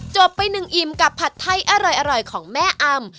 ไปหนึ่งอิ่มกับผัดไทยอร่อยของแม่อำ